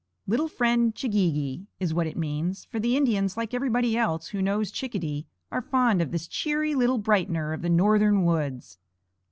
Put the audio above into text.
"Little friend Ch'geegee" is what it means; for the Indians, like everybody else who knows Chickadee, are fond of this cheery little brightener of the northern woods.